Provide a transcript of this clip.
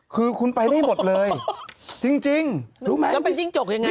หรือคุณจะเอายังอื่นนะครับคุณจะเอายังอื่นนะครับคุณจะเอายังอื่นนะครับ